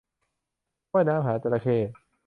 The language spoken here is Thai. ว่ายน้ำหาจระเข้